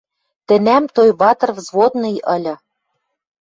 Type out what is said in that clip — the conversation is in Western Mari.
Тӹнӓм Тойбатр взводный ыльы